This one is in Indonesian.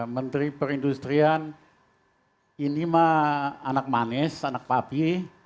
menteri perindustrian ini mah anak manis anak papi